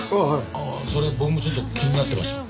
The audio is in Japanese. それ僕もちょっと気になってました。